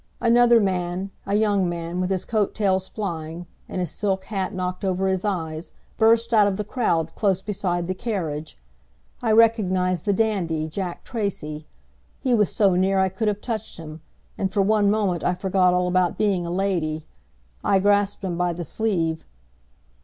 Another man, a young man, with his coattails flying and his silk hat knocked over his eyes, burst out of the crowd close beside the carriage. I recognized the dandy, Jack Tracy. He was so near I could have touched him, and for one moment I forgot all about being a lady. I grasped him, by the sleeve.